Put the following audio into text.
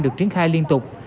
được triển khai liên tục